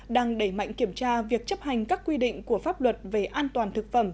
đang đẩy mạnh kiểm tra việc chấp hành các quy định của pháp luật về an toàn thực phẩm